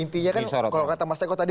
intinya kan kalau kata mas eko tadi